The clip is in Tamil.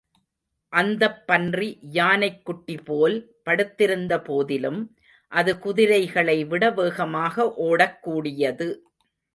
அந்தப் பன்றி யானைக் குட்டி போல் படுத்திருந்த போதிலும், அது குதிரைகளைவிட வேகமாக ஓடக் கூடியது.